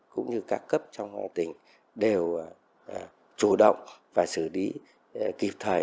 cũng như các cấp trong tỉnh đều chủ động và xử lý kịp thời